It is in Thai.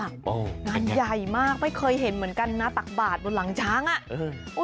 งานใหญ่มากไม่เคยเห็นเหมือนกันนะตักบาทบนหลังช้างอ่ะ